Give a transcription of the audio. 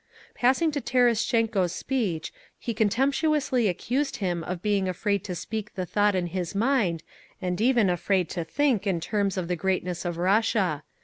Passing to Terestchenko's speech, he contemptuously accused him of being afraid to speak the thought in his mind, and even afraid to think in terms of the greatness of Russia.